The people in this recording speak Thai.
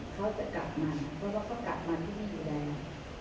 เขาจะกลับมาเพราะว่าเขากลับมาที่นี่แล้ว